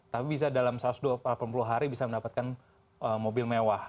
tapi bisa dalam satu ratus delapan puluh hari bisa mendapatkan mobil mewah